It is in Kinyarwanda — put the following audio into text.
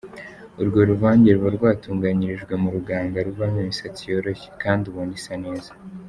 Urwo ruvange ruba rwatunganyirijwe mu ruganga ruvamo imisatsi yoroshye kandi ubona isa neza.